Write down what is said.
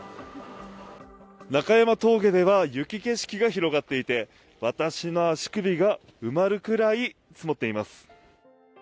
中山峠では雪景色が広がっていて私の足首が埋まるくらい積もっています。